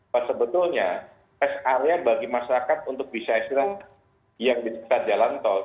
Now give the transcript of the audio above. bahwa sebetulnya rest area bagi masyarakat untuk bisa istirahat yang di sekitar jalan tol